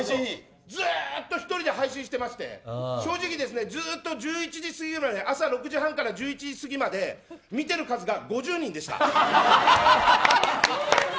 ずっと１人で配信してまして正直、ずっと朝６時半から１１時過ぎまで見てる数が５０人でした。